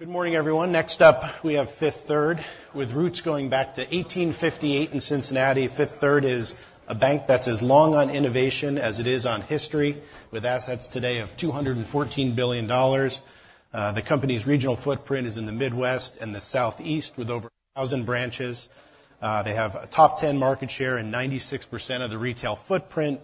Good morning, everyone. Next up, we have Fifth Third, with roots going back to 1858 in Cincinnati. Fifth Third is a bank that's as long on innovation as it is on history, with assets today of $214 billion. The company's regional footprint is in the Midwest and the Southeast, with over 1,000 branches. They have a top-10 market share and 96% of the retail footprint,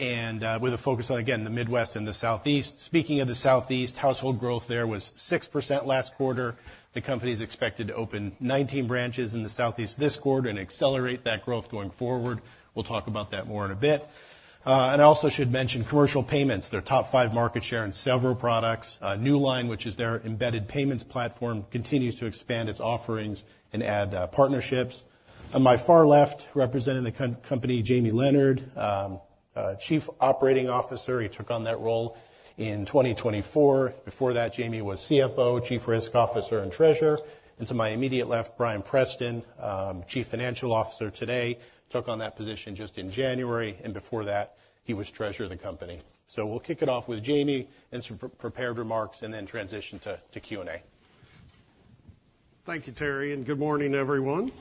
and with a focus on, again, the Midwest and the Southeast. Speaking of the Southeast, household growth there was 6% last quarter. The company is expected to open 19 branches in the Southeast this quarter and accelerate that growth going forward. We'll talk about that more in a bit. And I also should mention Commercial Payments, their top-5 market share in several products. Newline, which is their embedded payments platform, continues to expand its offerings and add partnerships. On my far left, representing the company, Jamie Leonard, Chief Operating Officer. He took on that role in 2024. Before that, Jamie was CFO, Chief Risk Officer, and Treasurer. And to my immediate left, Bryan Preston, Chief Financial Officer today, took on that position just in January. And before that, he was Treasurer of the company. So we'll kick it off with Jamie and some prepared remarks, and then transition to Q&A. Thank you, Terry, and good morning, everyone.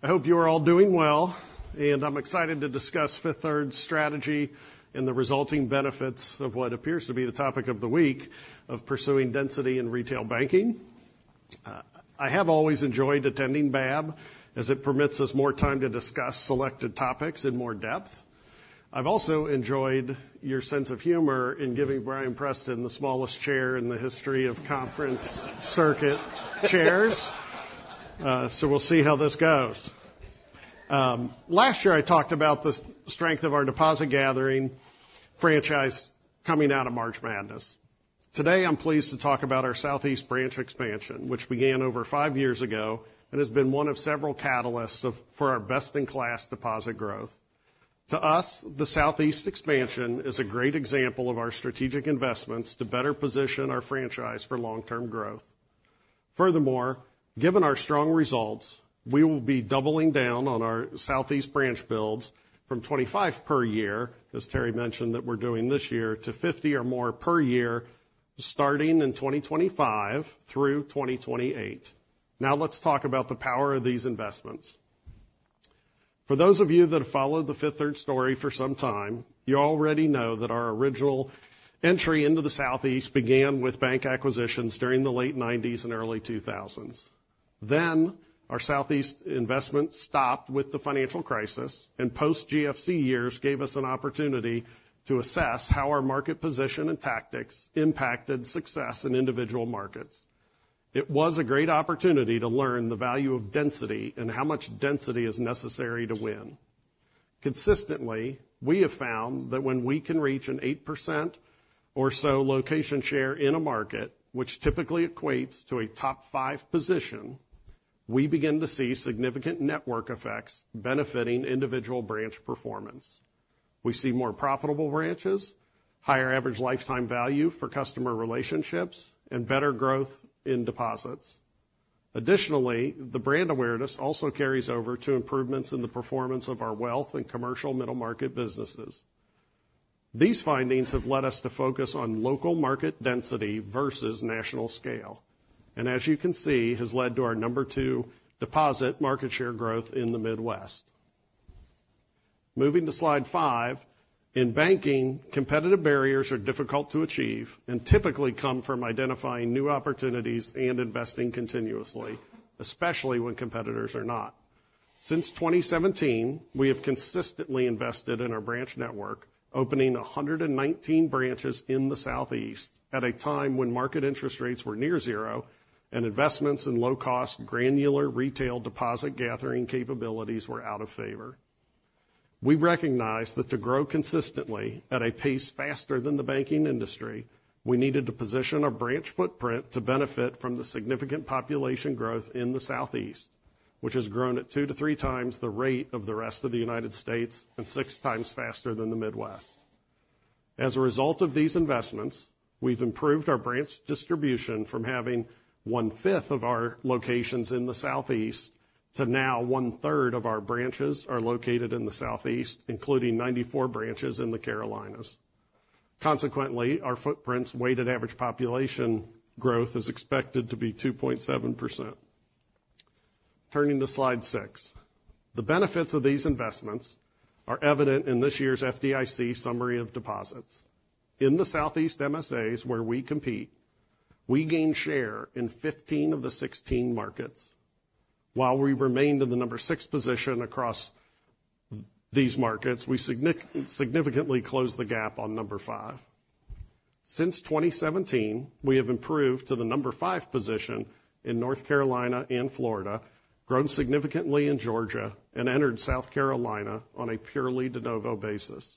I hope you are all doing well, and I'm excited to discuss Fifth Third's strategy and the resulting benefits of what appears to be the topic of the week of pursuing density in retail banking. I have always enjoyed attending BAAB, as it permits us more time to discuss selected topics in more depth. I've also enjoyed your sense of humor in giving Bryan Preston the smallest chair in the history of conference circuit chairs, so we'll see how this goes. Last year, I talked about the strength of our deposit gathering franchise coming out of March Madness. Today, I'm pleased to talk about our Southeast branch expansion, which began over five years ago and has been one of several catalysts for our best-in-class deposit growth. To us, the Southeast expansion is a great example of our strategic investments to better position our franchise for long-term growth. Furthermore, given our strong results, we will be doubling down on our Southeast branch builds from 25 per year, as Terry mentioned that we're doing this year, to 50 or more per year, starting in 2025 through 2028. Now, let's talk about the power of these investments. For those of you that have followed the Fifth Third story for some time, you already know that our original entry into the Southeast began with bank acquisitions during the late 1990s and early 2000s. Then, our Southeast investments stopped with the financial crisis, and post-GFC years gave us an opportunity to assess how our market position and tactics impacted success in individual markets. It was a great opportunity to learn the value of density and how much density is necessary to win. Consistently, we have found that when we can reach an 8% or so location share in a market, which typically equates to a top-5 position, we begin to see significant network effects benefiting individual branch performance. We see more profitable branches, higher average lifetime value for customer relationships, and better growth in deposits. Additionally, the brand awareness also carries over to improvements in the performance of our wealth and commercial middle-market businesses. These findings have led us to focus on local market density versus national scale, and as you can see, has led to our number two deposit market share growth in the Midwest. Moving to slide five, in banking, competitive barriers are difficult to achieve and typically come from identifying new opportunities and investing continuously, especially when competitors are not. Since 2017, we have consistently invested in our branch network, opening 119 branches in the Southeast at a time when market interest rates were near zero and investments in low-cost granular retail deposit gathering capabilities were out of favor. We recognize that to grow consistently at a pace faster than the banking industry, we needed to position our branch footprint to benefit from the significant population growth in the Southeast, which has grown at two to three times the rate of the rest of the United States and six times faster than the Midwest. As a result of these investments, we've improved our branch distribution from having one-fifth of our locations in the Southeast to now one-third of our branches are located in the Southeast, including 94 branches in the Carolinas. Consequently, our footprint's weighted average population growth is expected to be 2.7%. Turning to slide six, the benefits of these investments are evident in this year's FDIC summary of deposits. In the Southeast MSAs where we compete, we gain share in 15 of the 16 markets. While we remained in the number six position across these markets, we significantly closed the gap on number five. Since 2017, we have improved to the number five position in North Carolina and Florida, grown significantly in Georgia, and entered South Carolina on a purely de novo basis.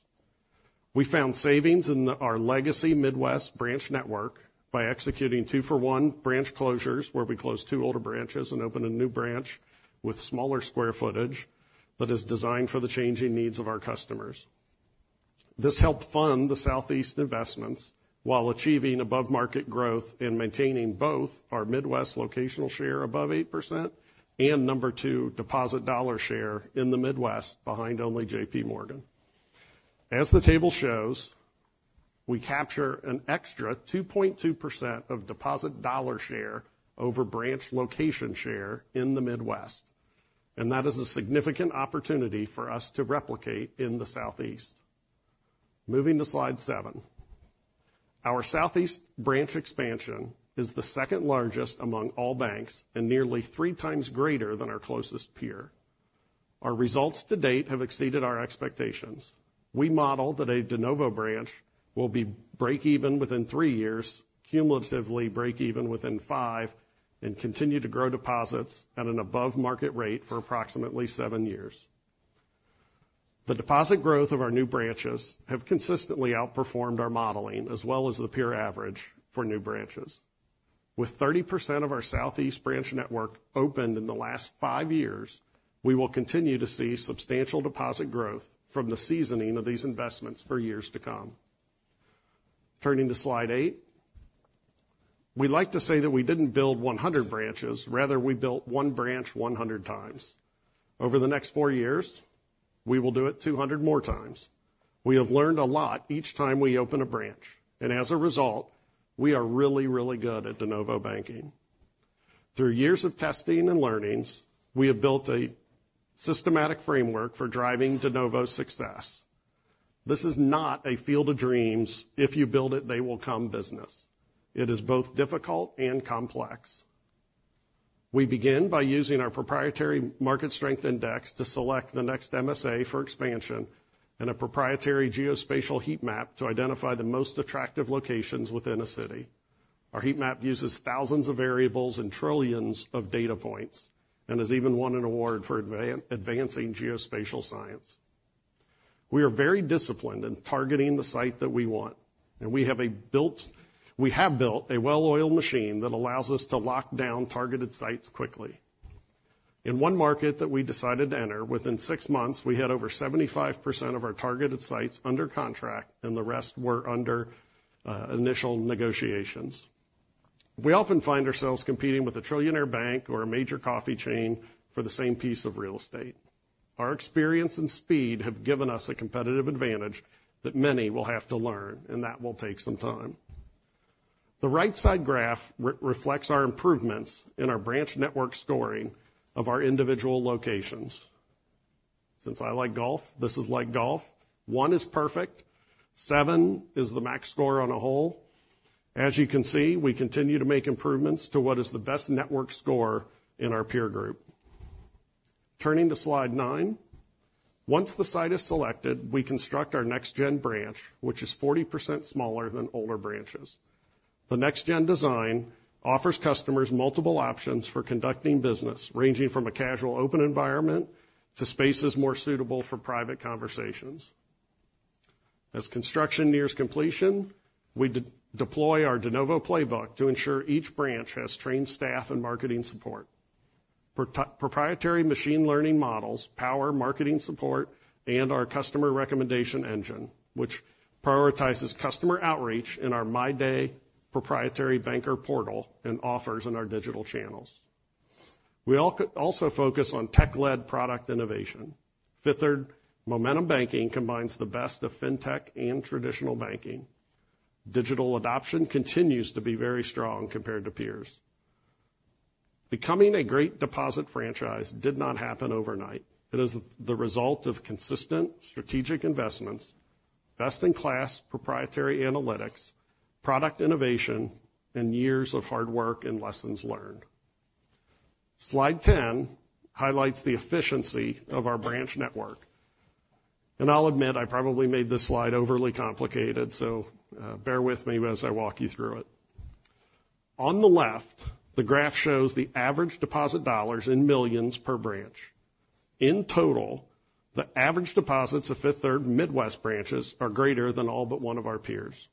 We found savings in our legacy Midwest branch network by executing two-for-one branch closures, where we closed two older branches and opened a new branch with smaller square footage that is designed for the changing needs of our customers. This helped fund the Southeast investments while achieving above-market growth and maintaining both our Midwest locational share above 8% and number two deposit dollar share in the Midwest, behind only J.P. Morgan. As the table shows, we capture an extra 2.2% of deposit dollar share over branch location share in the Midwest, and that is a significant opportunity for us to replicate in the Southeast. Moving to slide seven, our Southeast branch expansion is the second largest among all banks and nearly three times greater than our closest peer. Our results to date have exceeded our expectations. We model that a de novo branch will be break-even within three years, cumulatively break-even within five, and continue to grow deposits at an above-market rate for approximately seven years. The deposit growth of our new branches has consistently outperformed our modeling, as well as the peer average for new branches. With 30% of our Southeast branch network opened in the last five years, we will continue to see substantial deposit growth from the seasoning of these investments for years to come. Turning to slide eight, we like to say that we didn't build 100 branches. Rather, we built one branch 100 times. Over the next four years, we will do it 200 more times. We have learned a lot each time we open a branch, and as a result, we are really, really good at de novo banking. Through years of testing and learnings, we have built a systematic framework for driving de novo success. This is not a Field of Dreams. If you build it, they will come business. It is both difficult and complex. We begin by using our proprietary Market Strength Index to select the next MSA for expansion and a proprietary geospatial heat map to identify the most attractive locations within a city. Our heat map uses thousands of variables and trillions of data points and has even won an award for advancing geospatial science. We are very disciplined in targeting the site that we want, and we have built a well-oiled machine that allows us to lock down targeted sites quickly. In one market that we decided to enter, within six months, we had over 75% of our targeted sites under contract, and the rest were under initial negotiations. We often find ourselves competing with a trillionaire bank or a major coffee chain for the same piece of real estate. Our experience and speed have given us a competitive advantage that many will have to learn, and that will take some time. The right-side graph reflects our improvements in our branch network scoring of our individual locations. Since I like golf, this is like golf. One is perfect. Seven is the max score on a hole. As you can see, we continue to make improvements to what is the best network score in our peer group. Turning to slide nine, once the site is selected, we construct our next-gen branch, which is 40% smaller than older branches. The next-gen design offers customers multiple options for conducting business, ranging from a casual open environment to spaces more suitable for private conversations. As construction nears completion, we deploy our de novo playbook to ensure each branch has trained staff and marketing support. Proprietary machine learning models power marketing support and our customer recommendation engine, which prioritizes customer outreach in our MyDay proprietary banker portal and offers in our digital channels. We also focus on tech-led product innovation. Fifth Third Momentum Banking combines the best of fintech and traditional banking. Digital adoption continues to be very strong compared to peers. Becoming a great deposit franchise did not happen overnight. It is the result of consistent strategic investments, best-in-class proprietary analytics, product innovation, and years of hard work and lessons learned. Slide 10 highlights the efficiency of our branch network, and I'll admit I probably made this slide overly complicated, so bear with me as I walk you through it. On the left, the graph shows the average deposit dollars in millions per branch. In total, the average deposits of Fifth Third Midwest branches are greater than all but one of our peers.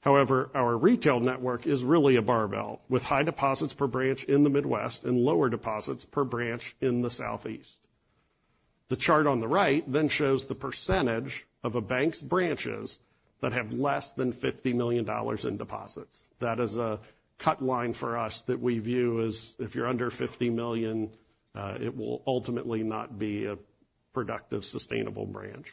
However, our retail network is really a barbell, with high deposits per branch in the Midwest and lower deposits per branch in the Southeast. The chart on the right then shows the percentage of a bank's branches that have less than $50 million in deposits. That is a cut line for us that we view as if you're under $50 million, it will ultimately not be a productive, sustainable branch.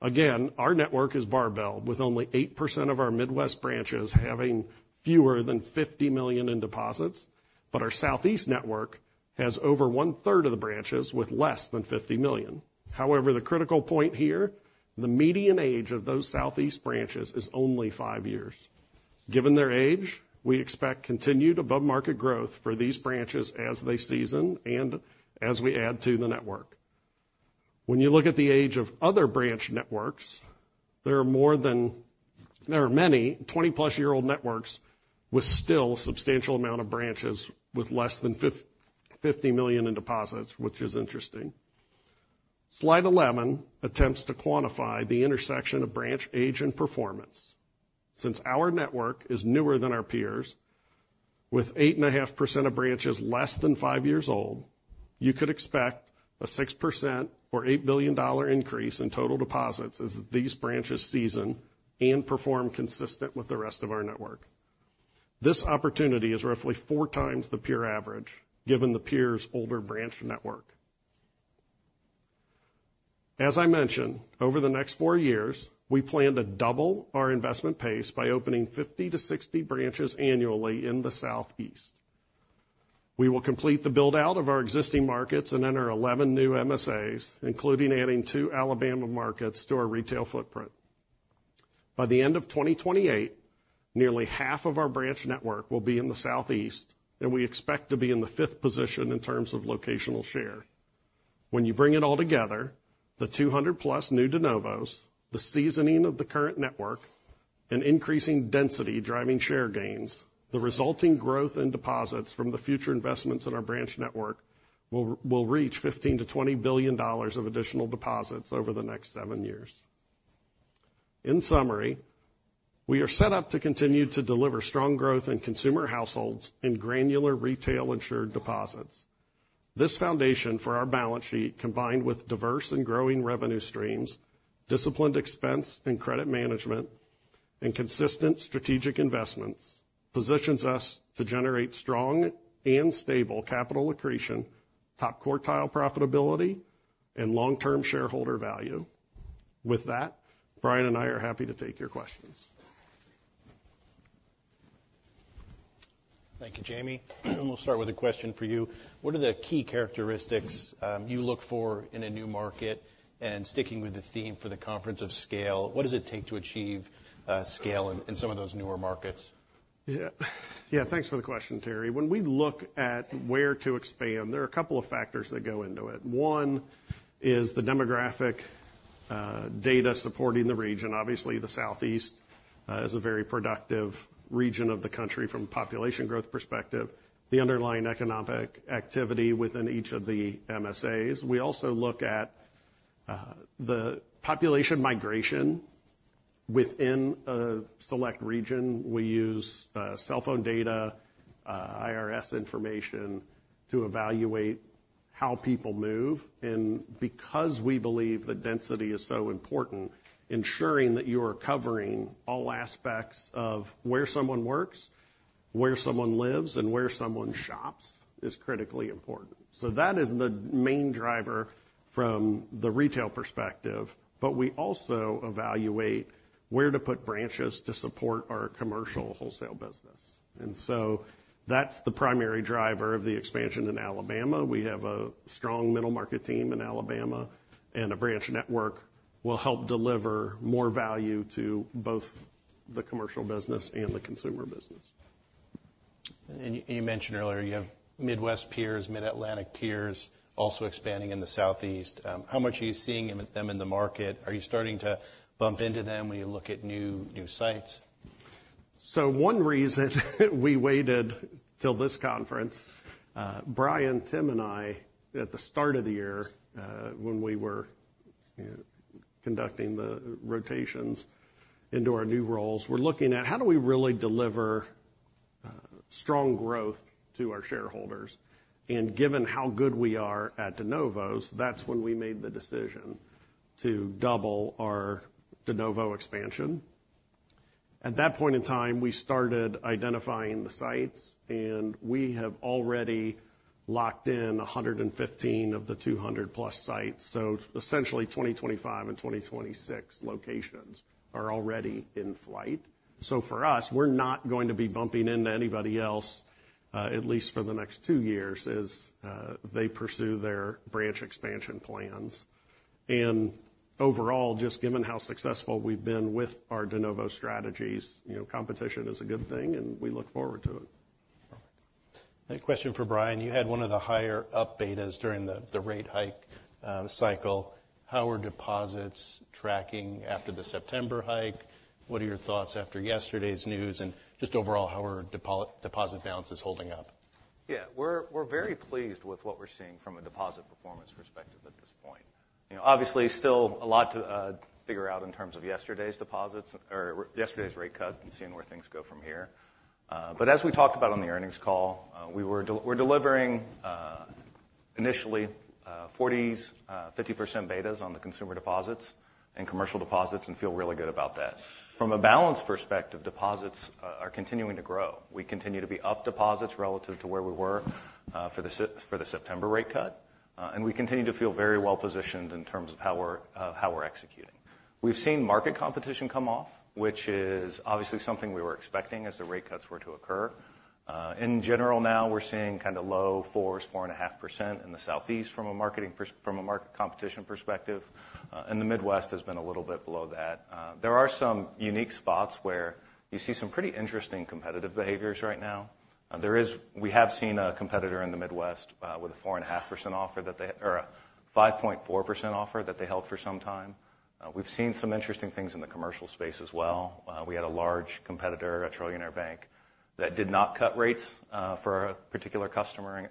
Again, our network is barbell, with only 8% of our Midwest branches having fewer than $50 million in deposits, but our Southeast network has over one-third of the branches with less than $50 million. However, the critical point here, the median age of those Southeast branches is only five years. Given their age, we expect continued above-market growth for these branches as they season and as we add to the network. When you look at the age of other branch networks, there are more than many 20-plus-year-old networks with still a substantial amount of branches with less than $50 million in deposits, which is interesting. Slide 11 attempts to quantify the intersection of branch age and performance. Since our network is newer than our peers, with 8.5% of branches less than five years old, you could expect a 6% or $8 billion increase in total deposits as these branches season and perform consistent with the rest of our network. This opportunity is roughly four times the peer average, given the peers' older branch network. As I mentioned, over the next four years, we plan to double our investment pace by opening 50-60 branches annually in the Southeast. We will complete the build-out of our existing markets and enter 11 new MSAs, including adding two Alabama markets to our retail footprint. By the end of 2028, nearly half of our branch network will be in the Southeast, and we expect to be in the fifth position in terms of locational share. When you bring it all together, the 200-plus new de novos, the seasoning of the current network, and increasing density driving share gains, the resulting growth in deposits from the future investments in our branch network will reach $15-$20 billion of additional deposits over the next seven years. In summary, we are set up to continue to deliver strong growth in consumer households and granular retail insured deposits. This foundation for our balance sheet, combined with diverse and growing revenue streams, disciplined expense and credit management, and consistent strategic investments, positions us to generate strong and stable capital accretion, top quartile profitability, and long-term shareholder value. With that, Bryan and I are happy to take your questions. Thank you, Jamie. We'll start with a question for you. What are the key characteristics you look for in a new market? And sticking with the theme for the conference of scale, what does it take to achieve scale in some of those newer markets? Yeah, thanks for the question, Terry. When we look at where to expand, there are a couple of factors that go into it. One is the demographic data supporting the region. Obviously, the Southeast is a very productive region of the country from a population growth perspective. The underlying economic activity within each of the MSAs. We also look at the population migration within a select region. We use cell phone data, IRS information to evaluate how people move. And because we believe that density is so important, ensuring that you are covering all aspects of where someone works, where someone lives, and where someone shops is critically important. So that is the main driver from the retail perspective, but we also evaluate where to put branches to support our commercial wholesale business. And so that's the primary driver of the expansion in Alabama. We have a strong middle market team in Alabama, and a branch network will help deliver more value to both the commercial business and the consumer business. You mentioned earlier you have Midwest peers, Mid-Atlantic peers also expanding in the Southeast. How much are you seeing them in the market? Are you starting to bump into them when you look at new sites? So, one reason we waited till this conference, Bryan, Tim, and I, at the start of the year when we were conducting the rotations into our new roles, we're looking at how do we really deliver strong growth to our shareholders. And given how good we are at de novos, that's when we made the decision to double our de novo expansion. At that point in time, we started identifying the sites, and we have already locked in 115 of the 200-plus sites. So essentially, 2025 and 2026 locations are already in flight. So for us, we're not going to be bumping into anybody else, at least for the next two years, as they pursue their branch expansion plans. And overall, just given how successful we've been with our de novo strategies, competition is a good thing, and we look forward to it. Perfect. Question for Bryan. You had one of the higher deposit betas during the rate hike cycle. How are deposits tracking after the September hike? What are your thoughts after yesterday's news? And just overall, how are deposit balances holding up? Yeah, we're very pleased with what we're seeing from a deposit performance perspective at this point. Obviously, still a lot to figure out in terms of yesterday's deposits or yesterday's rate cut and seeing where things go from here. But as we talked about on the earnings call, we're delivering initially 40s, 50% betas on the consumer deposits and commercial deposits and feel really good about that. From a balance perspective, deposits are continuing to grow. We continue to be up deposits relative to where we were for the September rate cut, and we continue to feel very well positioned in terms of how we're executing. We've seen market competition come off, which is obviously something we were expecting as the rate cuts were to occur. In general, now we're seeing kind of low 4s, 4.5% in the Southeast from a market competition perspective. In the Midwest, it has been a little bit below that. There are some unique spots where you see some pretty interesting competitive behaviors right now. We have seen a competitor in the Midwest with a 4.5% offer that they or a 5.4% offer that they held for some time. We've seen some interesting things in the commercial space as well. We had a large competitor, a trillionaire bank, that did not cut rates for a particular customer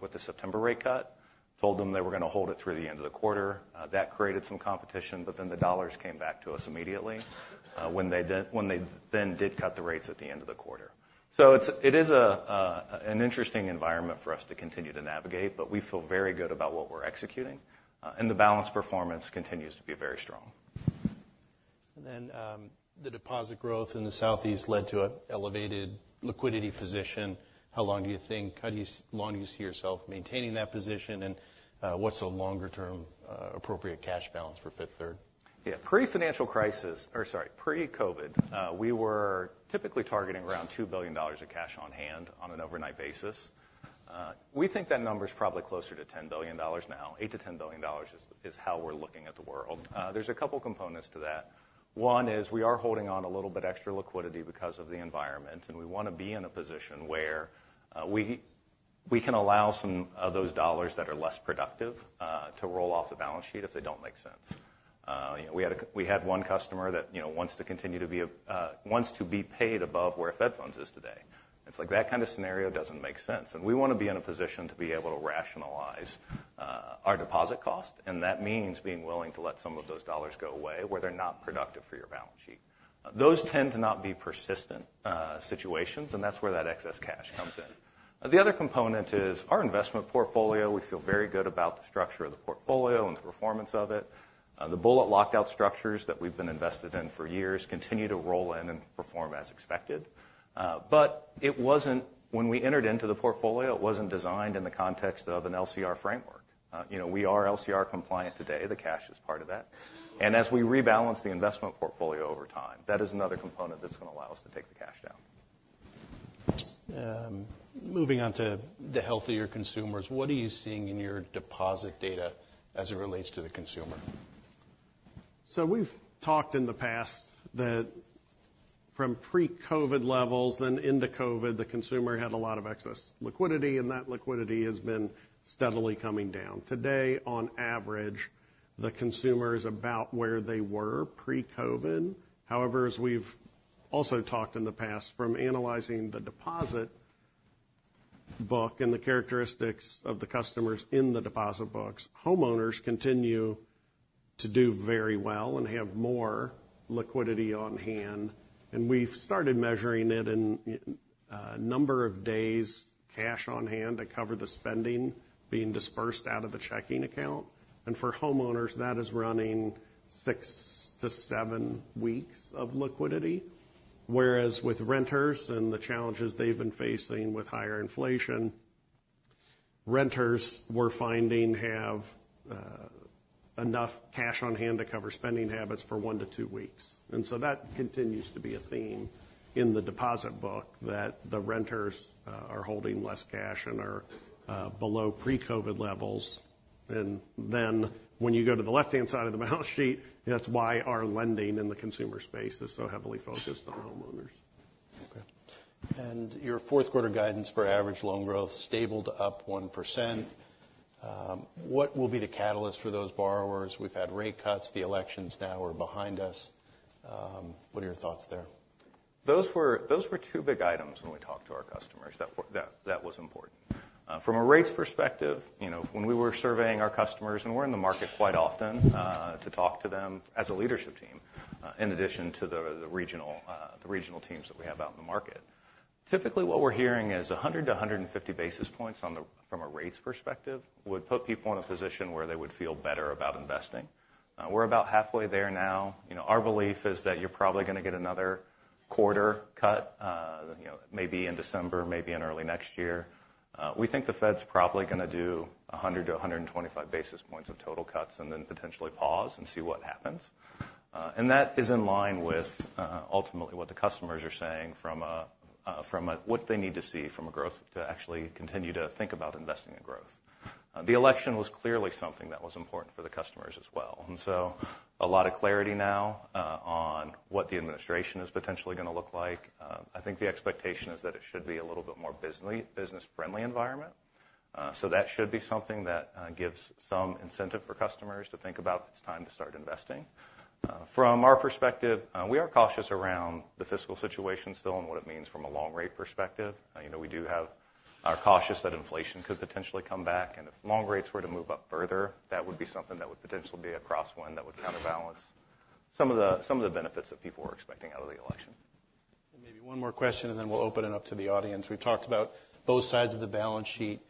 with the September rate cut, told them they were going to hold it through the end of the quarter. That created some competition, but then the dollars came back to us immediately when they then did cut the rates at the end of the quarter. So it is an interesting environment for us to continue to navigate, but we feel very good about what we're executing, and the balance performance continues to be very strong. And then the deposit growth in the Southeast led to an elevated liquidity position. How long do you think? How long do you see yourself maintaining that position? And what's a longer-term appropriate cash balance for Fifth Third? Yeah, pre-financial crisis or sorry, pre-COVID, we were typically targeting around $2 billion of cash on hand on an overnight basis. We think that number is probably closer to $10 billion now. $8-$10 billion is how we're looking at the world. There's a couple of components to that. One is we are holding on a little bit extra liquidity because of the environment, and we want to be in a position where we can allow some of those dollars that are less productive to roll off the balance sheet if they don't make sense. We had one customer that wants to continue to be paid above where Fed funds is today. It's like that kind of scenario doesn't make sense. We want to be in a position to be able to rationalize our deposit cost, and that means being willing to let some of those dollars go away where they're not productive for your balance sheet. Those tend to not be persistent situations, and that's where that excess cash comes in. The other component is our investment portfolio. We feel very good about the structure of the portfolio and the performance of it. The bullet locked-out structures that we've been invested in for years continue to roll in and perform as expected. But when we entered into the portfolio, it wasn't designed in the context of an LCR framework. We are LCR compliant today. The cash is part of that. As we rebalance the investment portfolio over time, that is another component that's going to allow us to take the cash down. Moving on to the healthier consumers, what are you seeing in your deposit data as it relates to the consumer? So we've talked in the past that from pre-COVID levels, then into COVID, the consumer had a lot of excess liquidity, and that liquidity has been steadily coming down. Today, on average, the consumer is about where they were pre-COVID. However, as we've also talked in the past, from analyzing the deposit book and the characteristics of the customers in the deposit books, homeowners continue to do very well and have more liquidity on hand. And we've started measuring it in a number of days cash on hand to cover the spending being dispersed out of the checking account. And for homeowners, that is running six to seven weeks of liquidity. Whereas with renters and the challenges they've been facing with higher inflation, renters we're finding have enough cash on hand to cover spending habits for one to two weeks. And so that continues to be a theme in the deposit book that the renters are holding less cash and are below pre-COVID levels. And then when you go to the left-hand side of the balance sheet, that's why our lending in the consumer space is so heavily focused on homeowners. Okay. And your fourth quarter guidance for average loan growth stable to up 1%. What will be the catalyst for those borrowers? We've had rate cuts. The elections now are behind us. What are your thoughts there? Those were two big items when we talked to our customers that was important. From a rates perspective, when we were surveying our customers, and we're in the market quite often to talk to them as a leadership team, in addition to the regional teams that we have out in the market, typically what we're hearing is 100-150 basis points from a rates perspective would put people in a position where they would feel better about investing. We're about halfway there now. Our belief is that you're probably going to get another quarter cut, maybe in December, maybe in early next year. We think the Fed's probably going to do 100-125 basis points of total cuts and then potentially pause and see what happens. And that is in line with ultimately what the customers are saying from what they need to see from a growth to actually continue to think about investing in growth. The election was clearly something that was important for the customers as well. And so a lot of clarity now on what the administration is potentially going to look like. I think the expectation is that it should be a little bit more business-friendly environment. So that should be something that gives some incentive for customers to think about it's time to start investing. From our perspective, we are cautious around the fiscal situation still and what it means from a long rate perspective. We are cautious that inflation could potentially come back. If long rates were to move up further, that would be something that would potentially be a crosswind that would counterbalance some of the benefits that people were expecting out of the election. Maybe one more question, and then we'll open it up to the audience. We've talked about both sides of the balance sheet.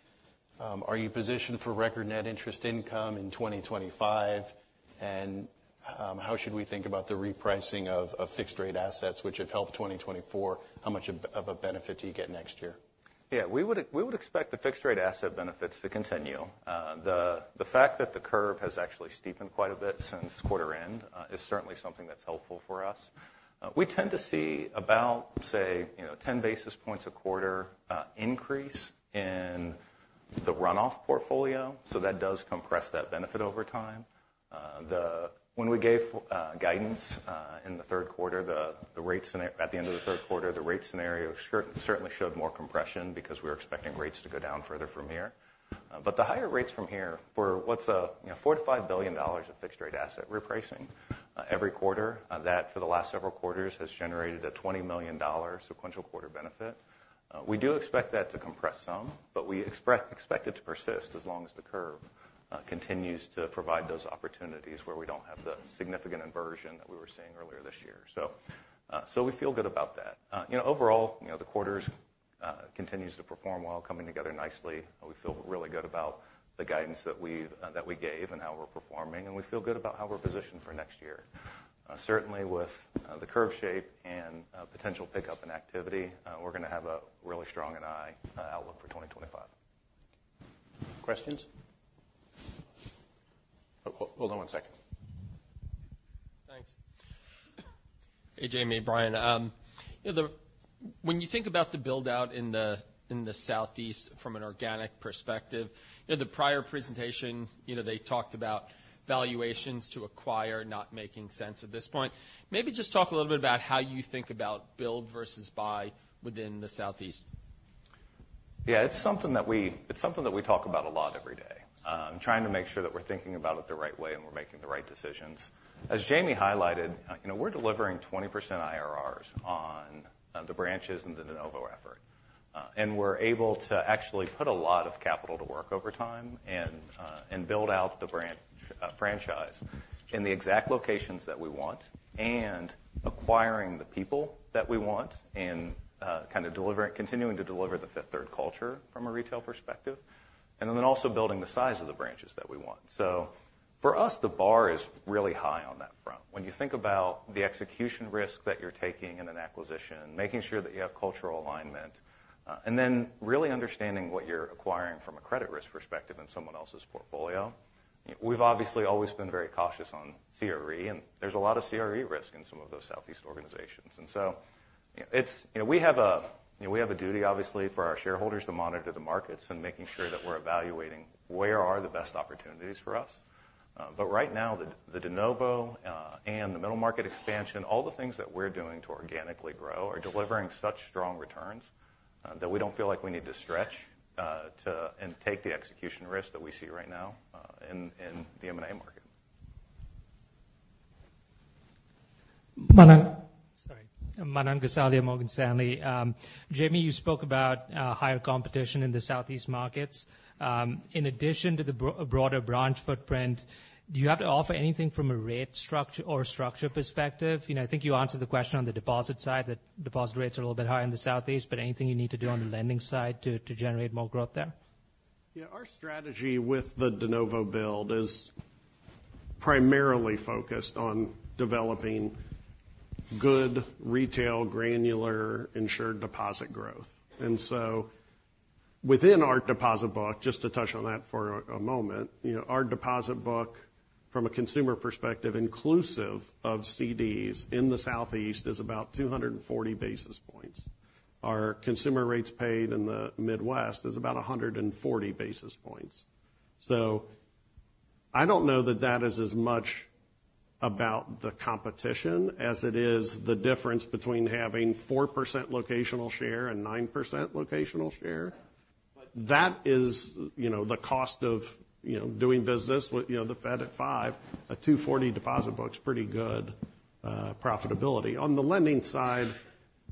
Are you positioned for record net interest income in 2025? And how should we think about the repricing of fixed rate assets, which have helped 2024? How much of a benefit do you get next year? Yeah, we would expect the fixed rate asset benefits to continue. The fact that the curve has actually steepened quite a bit since quarter end is certainly something that's helpful for us. We tend to see about, say, 10 basis points a quarter increase in the runoff portfolio. So that does compress that benefit over time. When we gave guidance in the third quarter, at the end of the third quarter, the rate scenario certainly showed more compression because we were expecting rates to go down further from here. But the higher rates from here for what's a $4 billion-$5 billion of fixed rate asset repricing every quarter, that for the last several quarters has generated a $20 million sequential quarter benefit. We do expect that to compress some, but we expect it to persist as long as the curve continues to provide those opportunities where we don't have the significant inversion that we were seeing earlier this year, so we feel good about that. Overall, the quarters continue to perform well, coming together nicely. We feel really good about the guidance that we gave and how we're performing and we feel good about how we're positioned for next year. Certainly, with the curve shape and potential pickup in activity, we're going to have a really strong and high outlook for 2025. Questions? Hold on one second. Thanks. Hey, Jamie, Bryan. When you think about the buildout in the Southeast from an organic perspective, in the prior presentation, they talked about valuations to acquire not making sense at this point. Maybe just talk a little bit about how you think about build versus buy within the Southeast. Yeah, it's something that we talk about a lot every day, trying to make sure that we're thinking about it the right way and we're making the right decisions. As Jamie highlighted, we're delivering 20% IRRs on the branches and the de novo effort, and we're able to actually put a lot of capital to work over time and build out the branch franchise in the exact locations that we want and acquiring the people that we want and kind of continuing to deliver the Fifth Third culture from a retail perspective, and then also building the size of the branches that we want, so for us, the bar is really high on that front. When you think about the execution risk that you're taking in an acquisition, making sure that you have cultural alignment, and then really understanding what you're acquiring from a credit risk perspective in someone else's portfolio. We've obviously always been very cautious on CRE, and there's a lot of CRE risk in some of those Southeast organizations. And so we have a duty, obviously, for our shareholders to monitor the markets and making sure that we're evaluating where are the best opportunities for us. But right now, the de novo and the middle market expansion, all the things that we're doing to organically grow are delivering such strong returns that we don't feel like we need to stretch and take the execution risk that we see right now in the M&A market. Sorry. Manan Gosalia, Morgan Stanley. Jamie, you spoke about higher competition in the Southeast markets. In addition to the broader branch footprint, do you have to offer anything from a rate structure or structure perspective? I think you answered the question on the deposit side, that deposit rates are a little bit higher in the Southeast, but anything you need to do on the lending side to generate more growth there? Yeah, our strategy with the de novo build is primarily focused on developing good retail granular insured deposit growth. And so within our deposit book, just to touch on that for a moment, our deposit book from a consumer perspective inclusive of CDs in the Southeast is about 240 basis points. Our consumer rates paid in the Midwest is about 140 basis points. So I don't know that that is as much about the competition as it is the difference between having 4% locational share and 9% locational share. That is the cost of doing business with the Fed at five. A 240 deposit book is pretty good profitability. On the lending side,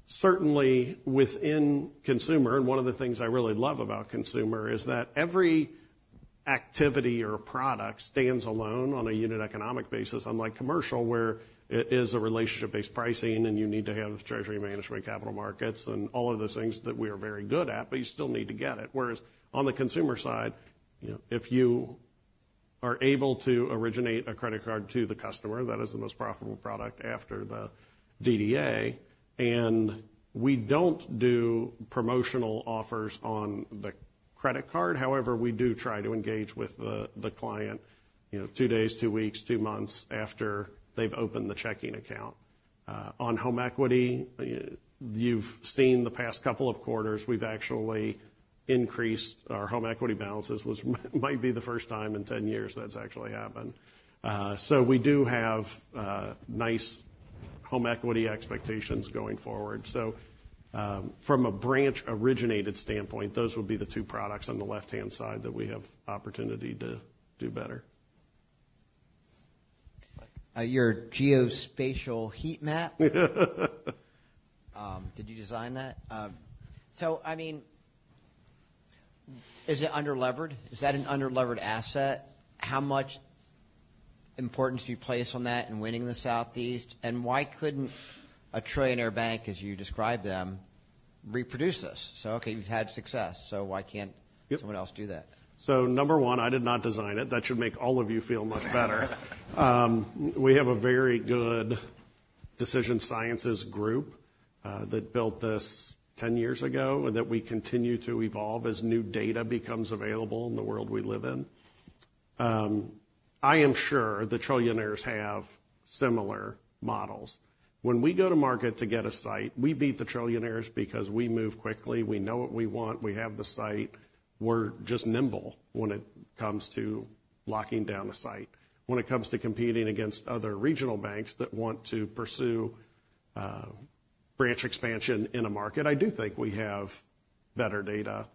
certainly within consumer, and one of the things I really love about consumer is that every activity or product stands alone on a unit economic basis, unlike commercial where it is a relationship-based pricing and you need to have treasury management, capital markets, and all of those things that we are very good at, but you still need to get it. Whereas on the consumer side, if you are able to originate a credit card to the customer, that is the most profitable product after the DDA. And we don't do promotional offers on the credit card. However, we do try to engage with the client two days, two weeks, two months after they've opened the checking account. On home equity, you've seen the past couple of quarters, we've actually increased our home equity balances. It might be the first time in 10 years that's actually happened. So we do have nice home equity expectations going forward. So from a branch originated standpoint, those would be the two products on the left-hand side that we have opportunity to do better. Your geospatial heat map? Did you design that? So, I mean, is it underlevered? Is that an underlevered asset? How much importance do you place on that in winning the Southeast? And why couldn't a trillionaire bank, as you described them, reproduce this? So, okay, you've had success. So why can't someone else do that? So number one, I did not design it. That should make all of you feel much better. We have a very good decision sciences group that built this 10 years ago and that we continue to evolve as new data becomes available in the world we live in. I am sure the trillionaires have similar models. When we go to market to get a site, we beat the trillionaires because we move quickly. We know what we want. We have the site. We're just nimble when it comes to locking down a site. When it comes to competing against other regional banks that want to pursue branch expansion in a market, I do think we have better data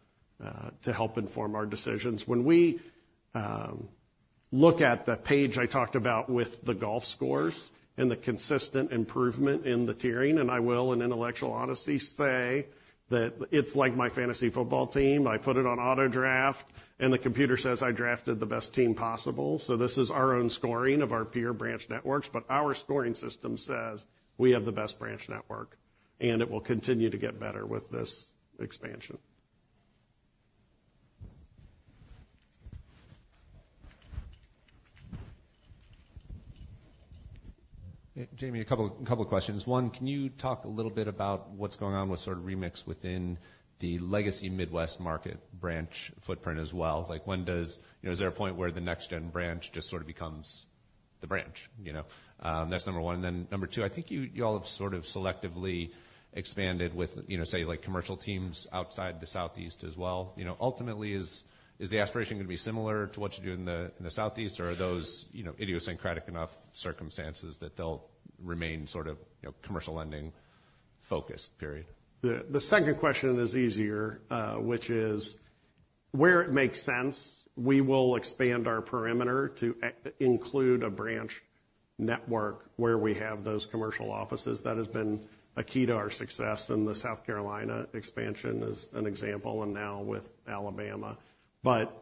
to help inform our decisions. When we look at the page I talked about with the golf scores and the consistent improvement in the tiering, and I will in intellectual honesty say that it's like my fantasy football team. I put it on auto draft and the computer says I drafted the best team possible. So this is our own scoring of our peer branch networks, but our scoring system says we have the best branch network, and it will continue to get better with this expansion. Jamie, a couple of questions. One, can you talk a little bit about what's going on with sort of remix within the legacy Midwest market branch footprint as well? Like when does, is there a point where the next-gen branch just sort of becomes the branch? That's number one. And then number two, I think you all have sort of selectively expanded with, say, commercial teams outside the Southeast as well. Ultimately, is the aspiration going to be similar to what you do in the Southeast, or are those idiosyncratic enough circumstances that they'll remain sort of commercial lending focused, period? The second question is easier, which is where it makes sense, we will expand our perimeter to include a branch network where we have those commercial offices. That has been a key to our success, and the South Carolina expansion is an example, and now with Alabama, but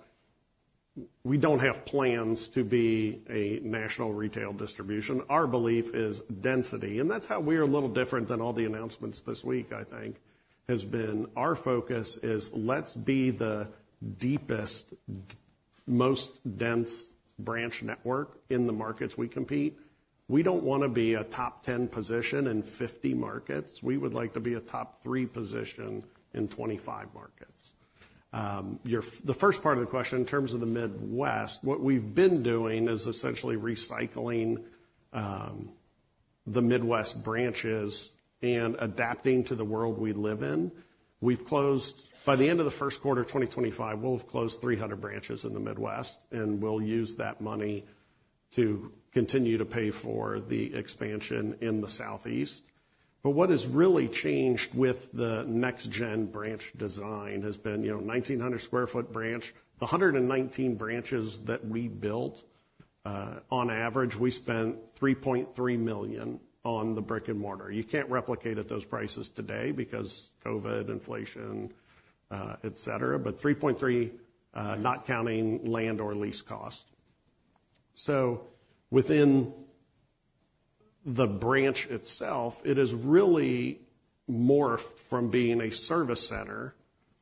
we don't have plans to be a national retail distribution. Our belief is density, and that's how we are a little different than all the announcements this week. I think has been our focus is let's be the deepest, most dense branch network in the markets we compete. We don't want to be a top 10 position in 50 markets. We would like to be a top three position in 25 markets. The first part of the question in terms of the Midwest, what we've been doing is essentially recycling the Midwest branches and adapting to the world we live in. By the end of the first quarter of 2025, we'll have closed 300 branches in the Midwest, and we'll use that money to continue to pay for the expansion in the Southeast. But what has really changed with the next-gen branch design has been 1,900-sq-ft branch. The 119 branches that we built, on average, we spent $3.3 million on the brick and mortar. You can't replicate at those prices today because COVID, inflation, etc., but $3.3 million, not counting land or lease cost. So within the branch itself, it has really morphed from being a service center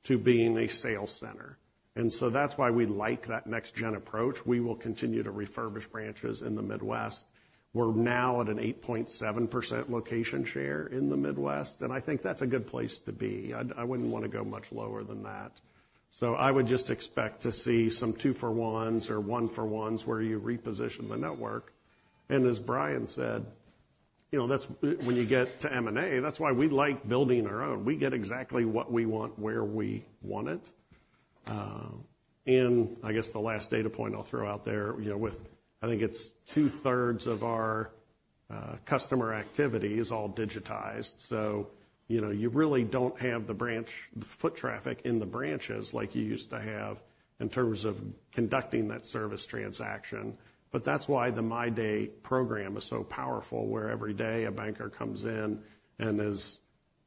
to being a sales center. And so that's why we like that next-gen approach. We will continue to refurbish branches in the Midwest. We're now at an 8.7% location share in the Midwest, and I think that's a good place to be. I wouldn't want to go much lower than that. I would just expect to see some two-for-ones or one-for-ones where you reposition the network. And as Bryan said, when you get to M&A, that's why we like building our own. We get exactly what we want where we want it. And I guess the last data point I'll throw out there, I think it's two-thirds of our customer activity is all digitized. So you really don't have the foot traffic in the branches like you used to have in terms of conducting that service transaction. But that's why the MyDay program is so powerful, where every day a banker comes in and is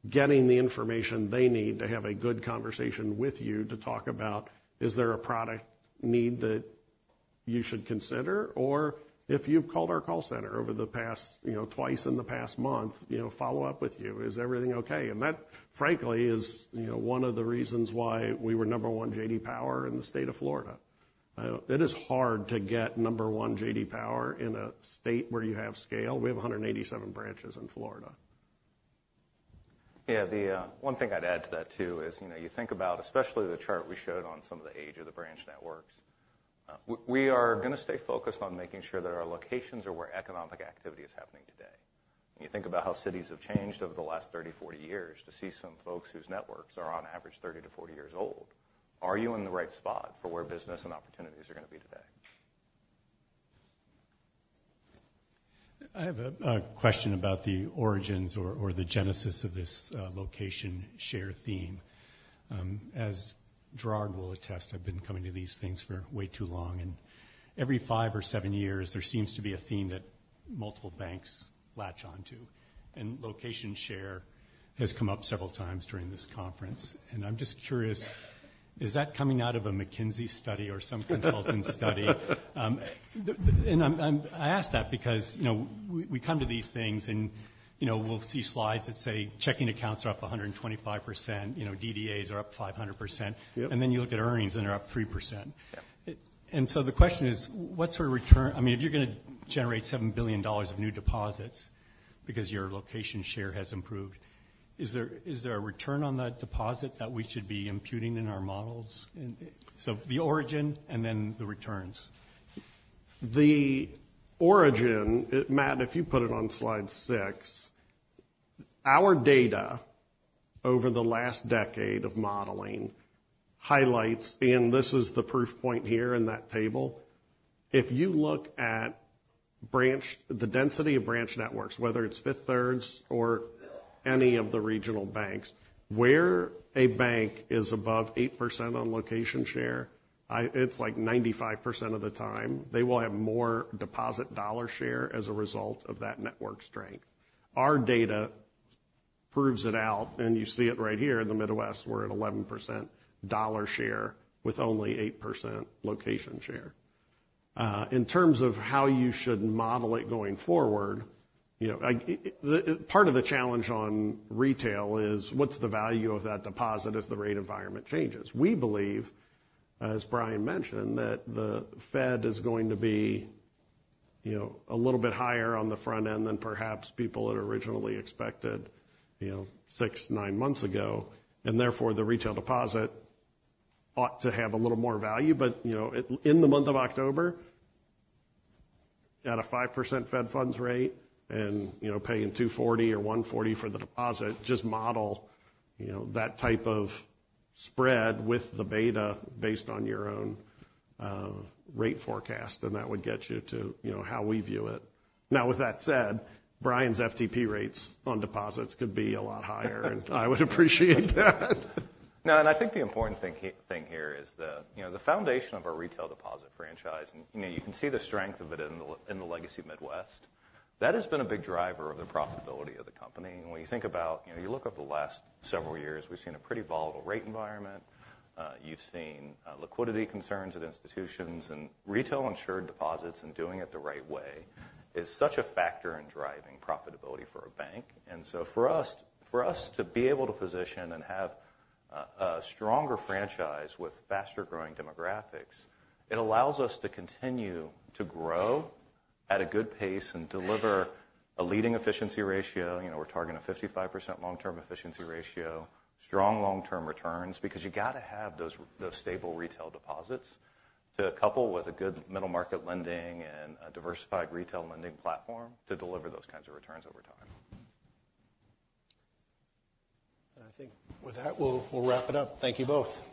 getting the information they need to have a good conversation with you to talk about, is there a product need that you should consider? Or if you've called our call center twice in the past month, follow up with you. Is everything okay? And that, frankly, is one of the reasons why we were number one J.D. Power in the state of Florida. It is hard to get number one J.D. Power in a state where you have scale. We have 187 branches in Florida. Yeah, one thing I'd add to that too is you think about, especially the chart we showed on some of the age of the branch networks. We are going to stay focused on making sure that our locations are where economic activity is happening today. When you think about how cities have changed over the last 30, 40 years to see some folks whose networks are on average 30 to 40 years old, are you in the right spot for where business and opportunities are going to be today? I have a question about the origins or the genesis of this location share theme. As Gerard will attest, I've been coming to these things for way too long, and every five or seven years, there seems to be a theme that multiple banks latch onto, and location share has come up several times during this conference, and I'm just curious, is that coming out of a McKinsey study or some consultant study? And I ask that because we come to these things and we'll see slides that say checking accounts are up 125%, DDAs are up 500%, and then you look at earnings and they're up 3%, and so the question is, what sort of return? I mean, if you're going to generate $7 billion of new deposits because your location share has improved, is there a return on that deposit that we should be imputing in our models? So, the origin and then the returns. The origin, Matt, if you put it on slide six, our data over the last decade of modeling highlights, and this is the proof point here in that table. If you look at the density of branch networks, whether it's Fifth Third's or any of the regional banks, where a bank is above 8% on location share, it's like 95% of the time. They will have more deposit dollar share as a result of that network strength. Our data proves it out, and you see it right here in the Midwest, we're at 11% dollar share with only 8% location share. In terms of how you should model it going forward, part of the challenge on retail is what's the value of that deposit as the rate environment changes? We believe, as Bryan mentioned, that the Fed is going to be a little bit higher on the front end than perhaps people had originally expected six, nine months ago, and therefore, the retail deposit ought to have a little more value, but in the month of October, at a 5% Fed funds rate and paying 240 or 140 for the deposit, just model that type of spread with the beta based on your own rate forecast, and that would get you to how we view it. Now, with that said, Bryan's FTP rates on deposits could be a lot higher, and I would appreciate that. No, and I think the important thing here is the foundation of our retail deposit franchise. And you can see the strength of it in the legacy Midwest. That has been a big driver of the profitability of the company. And when you think about, you look at the last several years, we've seen a pretty volatile rate environment. You've seen liquidity concerns at institutions, and retail insured deposits and doing it the right way is such a factor in driving profitability for a bank. And so for us to be able to position and have a stronger franchise with faster growing demographics, it allows us to continue to grow at a good pace and deliver a leading efficiency ratio. We're targeting a 55% long-term efficiency ratio, strong long-term returns, because you got to have those stable retail deposits to couple with a good middle market lending and a diversified retail lending platform to deliver those kinds of returns over time. I think with that, we'll wrap it up. Thank you both.